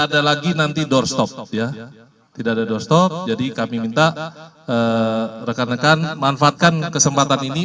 ada lagi nanti doorstop ya tidak ada doorstop jadi kami minta rekan rekan manfaatkan kesempatan ini